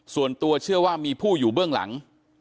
ส่วนตัวเชื่อว่ามีผู้อยู่เบื้องหลัง